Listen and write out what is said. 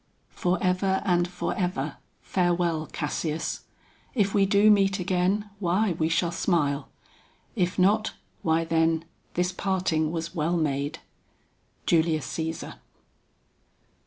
"Forever and forever, farewell Cassius. If we do meet again, why we shall smile; If not, why then, this parting was well made." JULIUS CÆSAR.